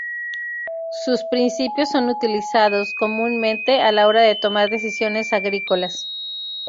Sus principios son utilizados, comúnmente, a la hora de tomar decisiones agrícolas.